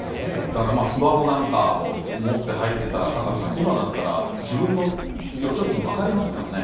だから、スマホなんかも持って入ってたら、タカさん、今だったら、自分の預貯金分かりますからね。